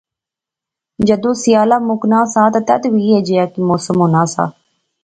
جدوں سیالا مُکنا سا تہ تد وی ایہھے جیا کی موسم ہونا سا